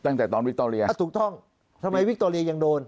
ตั้งแต่ตอนวิคโตเรียถูกต้องทำไมวิคโตเรียยังโดน